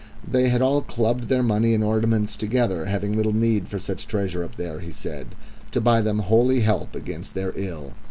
They had all clubbed their money and ornaments together, having little need for such treasure up there, he said, to buy them holy help against their ill.